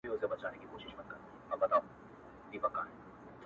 دلته مستي ورانوي دلته خاموشي ورانوي ـ